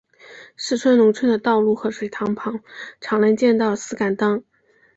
四川农村的道路和水塘旁常能见到石敢当。